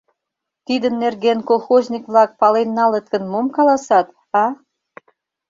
Тидын нерген колхозник-влак пален налыт гын, мом каласат, а?